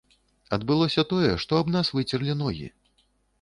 Адбылося тое, што аб нас выцерлі ногі.